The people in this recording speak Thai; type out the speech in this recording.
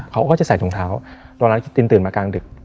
เขาก็จะใส่ถุงเท้าตอนนั้นตินตื่นมากลางดึก